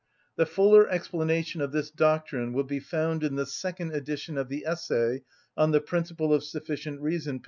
(The fuller explanation of this doctrine will be found in the second edition of the essay on the principle of sufficient reason, p.